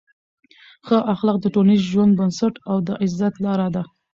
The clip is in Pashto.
ښه اخلاق د ټولنیز ژوند بنسټ او د عزت لار ده.